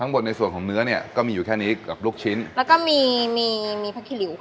บนในส่วนของเนื้อเนี้ยก็มีอยู่แค่นี้กับลูกชิ้นแล้วก็มีมีผักขีหลิวค่ะ